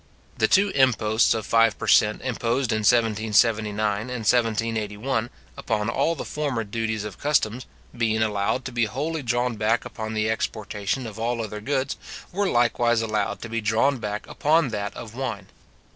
The two imposts of five per cent. imposed in 1779 and 1781, upon all the former duties of customs, being allowed to be wholly drawn back upon the exportation of all other goods, were likewise allowed to be drawn back upon that of wine.